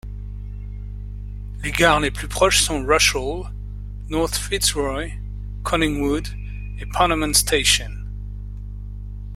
Les gares les plus proches sont Rushall, North Fitzroy, Collingwood et Parliament Station.